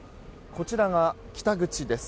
こちらが北口です。